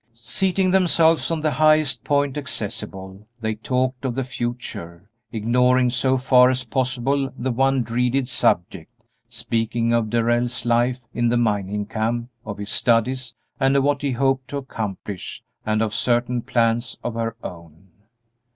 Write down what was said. Seating themselves on the highest point accessible, they talked of the future, ignoring so far as possible the one dreaded subject, speaking of Darrell's life in the mining camp, of his studies, and of what he hoped to accomplish, and of certain plans of her own.